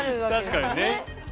確かにね。